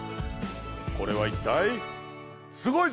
これはいったい？